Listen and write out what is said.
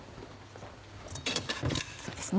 そうですね。